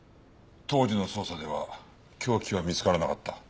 当時の捜査では凶器は見つからなかった。